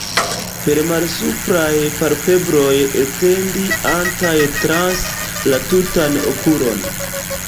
Per malsupraj palpebroj etendi¸antaj trans la tutan okulon.